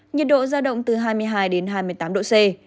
nhiệt độ giao động từ hai mươi hai đến hai mươi tám độ c